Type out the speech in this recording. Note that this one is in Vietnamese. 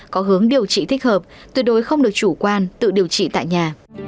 có hướng điều trị thích hợp tuyệt đối không được chủ quan tự điều trị tại nhà